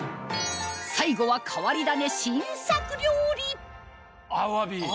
最後は変り種新作料理あわび！